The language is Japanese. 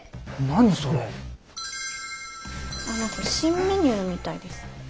何か新メニューみたいです。